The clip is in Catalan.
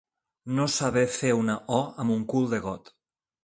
No saber fer una «o» amb un cul de got.